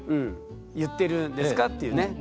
言ってるんですかっていうね。